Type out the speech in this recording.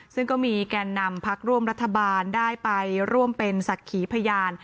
ซึ่งก็มีแก่นนำพักร่วมรัฐบาลได้ไปร่วมเป็นศักดิ์ขีพยาน